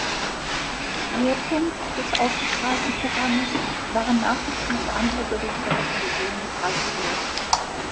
Schwerpunkt des ausgestrahlten Programmes waren Nachrichten und andere Berichte aus der Region Karlsruhe.